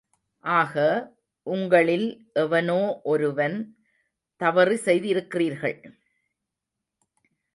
ஆக, உங்களில் எவனோ ஒருவன் தவறு செய்திருக்கிறீர்கள்?